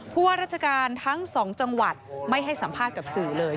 ว่าราชการทั้งสองจังหวัดไม่ให้สัมภาษณ์กับสื่อเลย